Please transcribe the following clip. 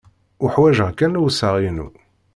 Uḥwaǧeɣ kan lewseɛ-inu.